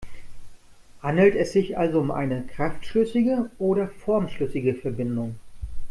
Handelt es sich also um eine kraftschlüssige oder formschlüssige Verbindung?